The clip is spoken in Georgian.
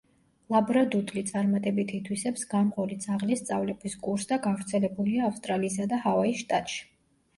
ლაბრადუდლი წარმატებით ითვისებს გამყოლი ძაღლის სწავლების კურსს და გავრცელებულია ავსტრალიისა და ჰავაის შტატში.